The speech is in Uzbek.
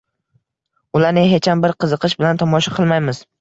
Ularni hecham bir qiziqish bilan tomosha qilmaymiz.